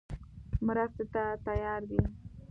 مرستې ته تیار دی.